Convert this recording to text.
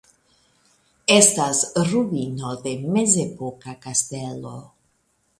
Estas ruino de mezepoka kastelo.